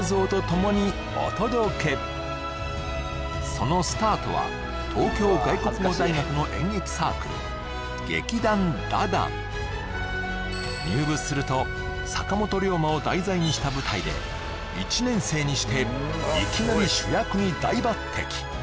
そのスタートは東京外国語大学の演劇サークル劇団ダダン入部すると坂本龍馬を題材にした舞台で１年生にしていきなり主役に大抜擢